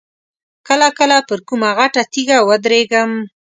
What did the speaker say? کله کله پر کومه غټه تیږه ودرېږم.